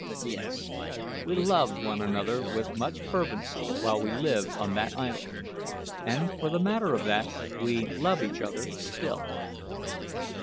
Yes, we loved one another with much fervency while we lived on that island; and, for the matter of that, we love each other still.